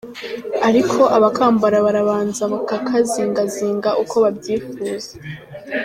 Ariko abakambara barabanza bakakazingazinga uko babyifuzwa.